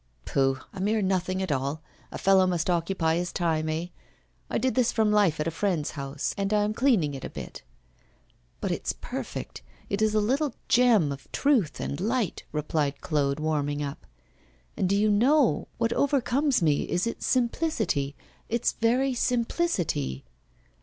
'Pooh! A mere nothing at all. A fellow must occupy his time, eh? I did this from life at a friend's house, and I am cleaning it a bit.' 'But it's perfect it is a little gem of truth and light,' replied Claude, warming up. 'And do you know, what overcomes me is its simplicity, its very simplicity.